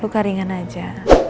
luka ringan aja